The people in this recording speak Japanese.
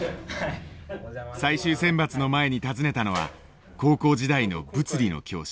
最終選抜の前に訪ねたのは高校時代の物理の教師